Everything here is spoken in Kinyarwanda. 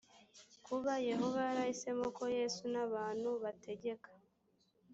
kuba yehova yarahisemo ko yesu n abantu bategeka